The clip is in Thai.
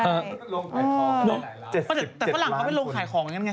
แต่ฝรั่งเขาไม่ลงขายของอย่างนั้นไง